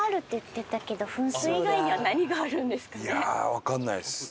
わかんないです。